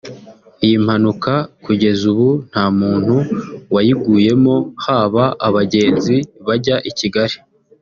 Iyi mpanuka kugeza ubu nta muntu wayiguyemo haba abagenzi bajyaga i Kigali